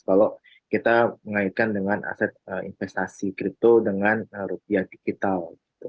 kalau kita mengaitkan dengan aset investasi crypto dengan rupiah digital